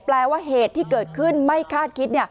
แปลว่าเหตุที่เกิดขึ้นไม่คาดคิด